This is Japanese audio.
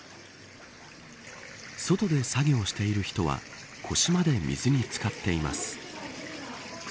外で作業している人は腰まで水に漬かっています。